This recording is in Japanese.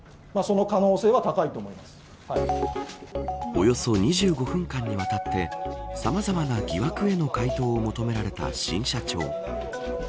およそ２５分間にわたってさまざまな疑惑への回答を求められた新社長。